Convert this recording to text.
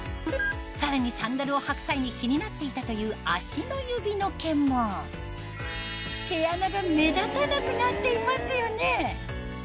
さらにサンダルを履く際に気になっていたという足の指の毛も毛穴が目立たなくなっていますよね